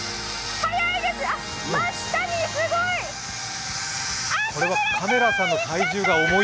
速いです。